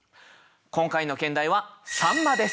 今回の兼題は「秋刀魚」です。